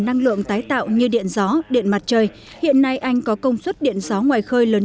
năng lượng tái tạo như điện gió điện mặt trời hiện nay anh có công suất điện gió ngoài khơi lớn